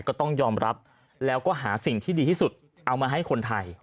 ก็ต้องยอมรับแล้วก็หาสิ่งที่ดีที่สุดเอามาให้คนไทย